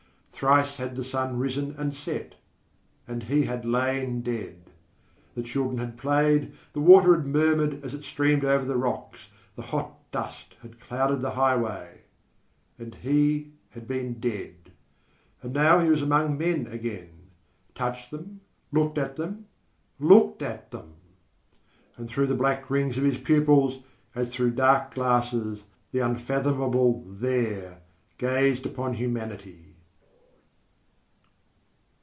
Thrice had the sun risen and set and he had lain dead. The children had played, the water had murmured as it streamed over the rocks, the hot dust had clouded the highway and he had been dead. And now he was among men again touched them looked at them looked at them! And through the black rings of his pupils, as through dark glasses, the unfathomable There gazed upon humanity.